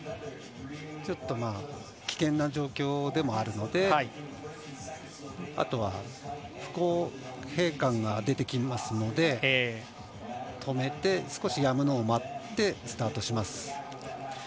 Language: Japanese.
ちょっと危険な状況でもあるのであとは不公平感が出てきますので止めて、少し風がやむのを待ってスタートします。